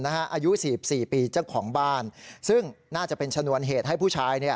อายุ๔๔ปีเจ้าของบ้านซึ่งน่าจะเป็นชนวนเหตุให้ผู้ชาย